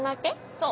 そう。